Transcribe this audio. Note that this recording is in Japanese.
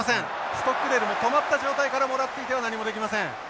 ストックデールも止まった状態からもらっていては何もできません。